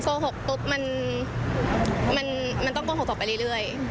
โกหกปุ๊บมันต้องโกหกต่อไปเรื่อย